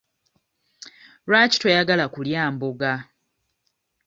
Lwaki toyagala kulya mboga?